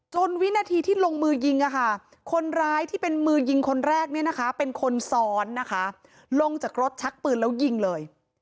วินาทีที่ลงมือยิงคนร้ายที่เป็นมือยิงคนแรกเนี่ยนะคะเป็นคนซ้อนนะคะลงจากรถชักปืนแล้วยิงเลย